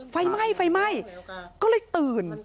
ไฟใหม้ก็เลยตื่น